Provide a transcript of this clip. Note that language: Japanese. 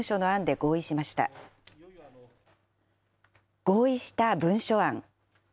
合意した文書案。